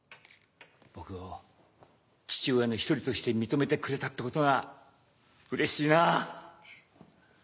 僕を父親の一人として認めてくれたってことがうれしいなぁ！